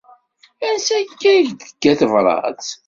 Ansi akka i ak-d-tekka tebrat.